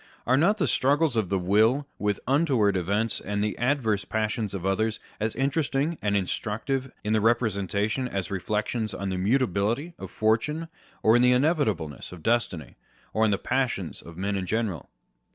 Are not the struggles of the will with untoward events and the adverse passions of others as interesting and instructive in the representation as reflections on the mutability of fortune or inevitableness of destiny, or on the passions of men in general